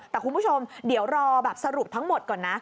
แต่คุณผู้ชมเดี๋ยวรอแบบสรุปทั้งหมดก่อนนะ